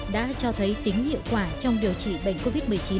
đã cho thấy tính hiệu quả trong điều trị bệnh covid một mươi chín